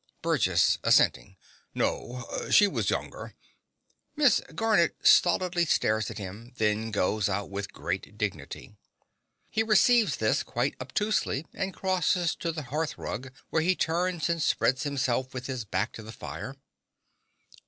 BURGESS (assenting). No: she was younger. (Miss Garnett stolidly stares at him; then goes out with great dignity. He receives this quite obtusely, and crosses to the hearth rug, where he turns and spreads himself with his back to the fire.)